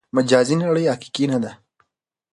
مجازي نړۍ حقیقي نه ده.